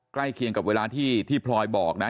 ใกล้เคียงกับเวลาที่พลอยบอกนะ